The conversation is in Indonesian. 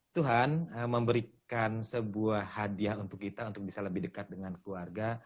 tuhan memberikan sebuah hadiah untuk kita untuk bisa lebih dekat dengan keluarga